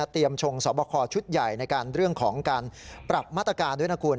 ชงสอบคอชุดใหญ่ในการเรื่องของการปรับมาตรการด้วยนะคุณ